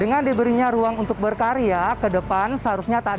dengan diberinya ruang untuk berkarya kedepan seharusnya tak ada lagi ya